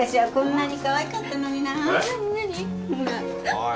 おい。